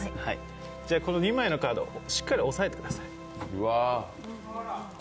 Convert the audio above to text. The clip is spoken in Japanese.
この２枚のカード、しっかり押さえてください。